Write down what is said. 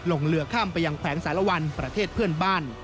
ลงเรือข้ามไปยังแขวงสารวันประเทศเพื่อนบ้าน